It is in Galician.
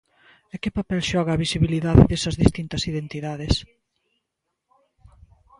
E que papel xoga a visibilidade desas distintas identidades?